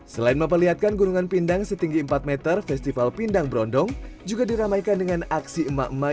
selain memperlihatkan gunungan pindang setinggi empat meter festival pindang brondong juga diramaikan dengan aksi emak emak